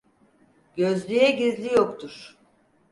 Gözlüye gizli yoktur.